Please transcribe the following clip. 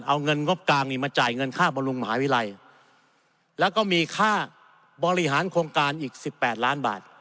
เอาเงินงบกลางนี่มาจ่ายเงินค่าบำรุงมหาวิทยาลัยแล้วก็มีค่าบริหารโครงการอีก๑๘ล้านบาท